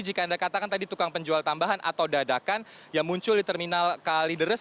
jika anda katakan tadi tukang penjual tambahan atau dadakan yang muncul di terminal kalideres